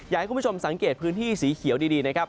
อยากให้คุณผู้ชมสังเกตพื้นที่สีเขียวดีนะครับ